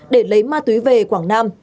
để lấy ma túy về quảng nam